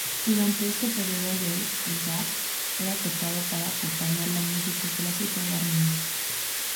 Durante este período el "dap" era tocado para acompañar la música clásica iraní.